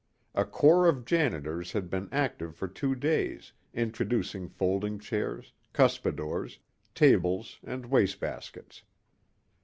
A corps of janitors had been active for two days introducing folding chairs, cuspidors, tables and wastebaskets.